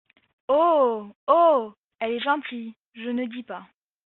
Oh ! oh !… elle est gentille, je ne dis pas…